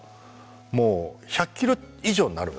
もう１００キロ以上になるわけですよ。